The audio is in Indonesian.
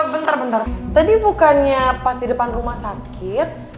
bentar bentar jadi bukannya pas di depan rumah sakit